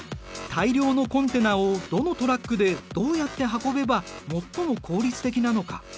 大量のコンテナをどのトラックでどうやって運べば最も効率的なのか？